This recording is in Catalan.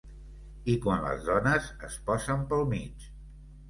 I quan les dones es posen pel mig.